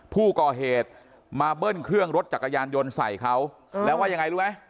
ผู้ก่อเหตุมาเบิ้ลเครื่องรถจักรยานยนต์ใส่เขาแล้วว่ายังไงรู้ไหม